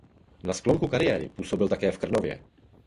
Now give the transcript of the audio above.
Na sklonku kariéry působil také v Krnově.